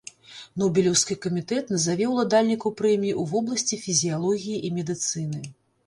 Нобелеўскі камітэт назаве ўладальнікаў прэміі ў вобласці фізіялогіі і медыцыны.